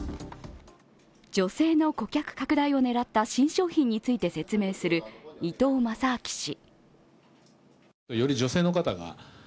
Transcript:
女性の顧客拡大を狙った新商品について説明する、伊東正明氏。